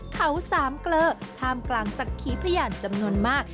เขาสามเกลอท่ามกลางสักขีพยานจำนวนมาก